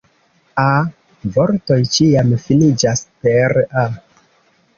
A-vortoj ĉiam finiĝas per "-a".